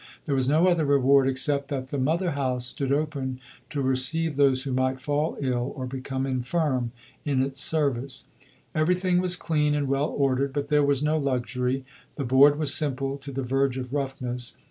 There was no other reward, except that the Mother House stood open to receive those who might fall ill or become infirm in its service. Everything was clean and well ordered, but there was no luxury; the board was simple to the verge of roughness.